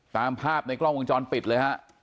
ตามภาพในกล้องวงจรปิดเลยฮะ